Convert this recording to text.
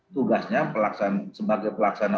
tugasnya sebagai pelaksana